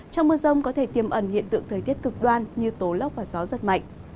trong mưa rông có thể tiêm ẩn hiện tượng thời tiết cực đoan như tố lốc và gió rất mạnh